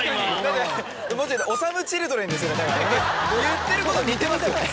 言ってること似てますよね。